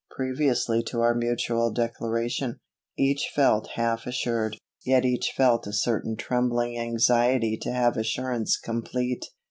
Previously to our mutual declaration, each felt half assured, yet each felt a certain trembling anxiety to have assurance complete.